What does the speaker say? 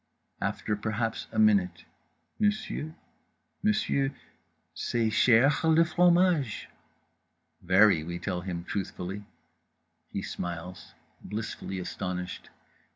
After perhaps a minute "monsieur—monsieur—c'est chèr le fromage?" "Very," we tell him truthfully. He smiles, blissfully astonished.